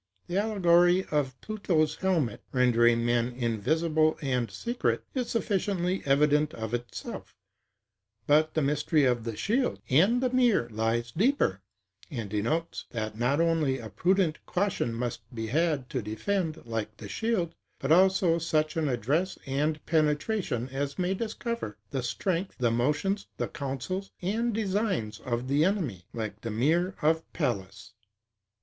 The allegory of Pluto's helmet, rendering men invisible and secret, is sufficiently evident of itself; but the mystery of the shield and the mirror lies deeper; and denotes, that not only a prudent caution must be had to defend, like the shield, but also such an address and penetration as may discover the strength, the motions, the counsels, and designs of the enemy; like the mirror of Pallas.